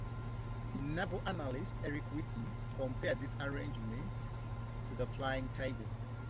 Naval analyst Eric Wertheim compared this arrangement to the Flying Tigers.